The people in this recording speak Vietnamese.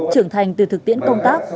trưởng thành từ thực tiễn công tác